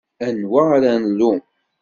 Anwa ara nlumm?